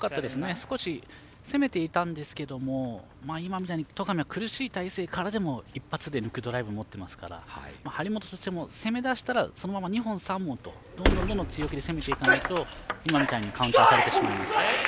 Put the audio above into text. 少し攻めていたんですけど今みたいに戸上は苦しい体勢からでも一発で抜くドライブを持っていますから張本としても攻めだしたらそのまま２本、３本とどんどん強気に攻めていかないと今みたいなカウンターされてしまいます。